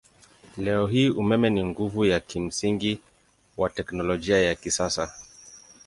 Leo hii umeme ni nguvu ya kimsingi wa teknolojia ya kisasa.